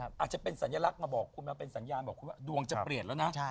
อาจจะเป็นสัญลักษณ์มาบอกคุณมาเป็นสัญญาณบอกคุณว่าดวงจะเปลี่ยนแล้วนะ